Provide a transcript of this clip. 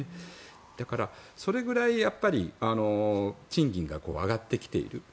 だから、それぐらい賃金が上がってきている。